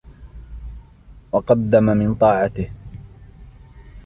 وَقَدَّمَ مِنْ طَاعَتِهِ